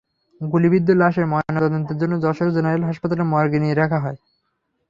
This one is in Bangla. গুলিবিদ্ধ লাশের ময়নাতদন্তের জন্য যশোর জেনারেল হাসপাতালের মর্গে নিয়ে রাখা হয়।